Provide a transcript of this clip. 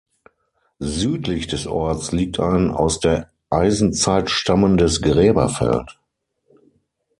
Südlich des Orts liegt ein aus der Eisenzeit stammendes Gräberfeld.